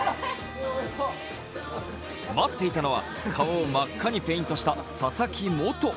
待っていたのは、顔を真っ赤にペイントした佐々木元。